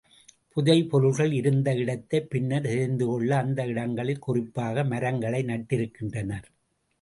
புதை பொருள்கள் இருந்த இடத்தைப் பின்னர் தெரிந்துகொள்ள அந்த இடங்களில் குறிப்பாக மரங்களை நட்டிருக்கின்றனர்.